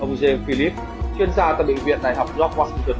ông james phillips chuyên gia tại bệnh viện đại học york washington